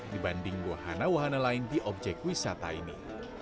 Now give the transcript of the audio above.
dibanding wahana wahana lain di objek wisata ini